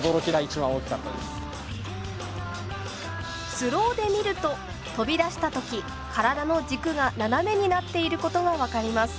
スローで見ると飛び出した時体の軸が斜めになっていることが分かります。